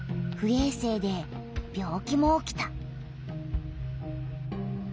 えい生で病気も起きた。